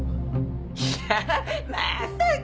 いやまさか！